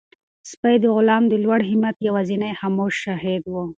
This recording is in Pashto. سپی د غلام د لوړ همت یوازینی خاموش شاهد و.